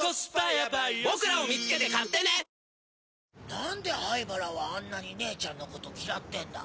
何で灰原はあんなにねえちゃんのこと嫌ってんだ？